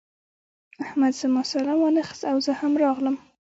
احمد زما سلام وانخيست او زه هم راغلم.